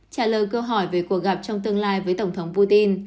trả lời câu hỏi về cuộc gặp trong tương lai với tổng thống putin